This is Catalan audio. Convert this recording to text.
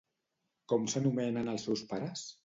Com s'anomenen els seus pares?